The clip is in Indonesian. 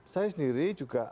saya sendiri juga